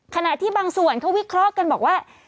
ขณะที่บางส่วนเขาวิเคราะห์กันบอกว่า